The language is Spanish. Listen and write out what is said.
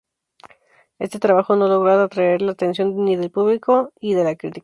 Este trabajo no logró atraer la atención ni del público y de la crítica.